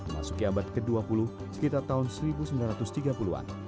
masuki abad ke dua puluh sekitar tahun seribu sembilan ratus tiga puluh an